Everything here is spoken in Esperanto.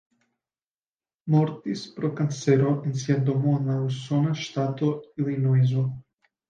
Mortis pro kancero en sia domo en la usona ŝtato Ilinojso.